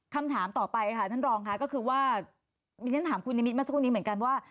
คำถามต่อไปคุณนิมิตรเมื่อสักครู่นี้เหมือนกันว่า